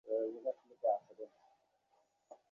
গ্রামসুদ্ধ লোকের মুখে যাত্রা ছাড়া আর কথা নাই।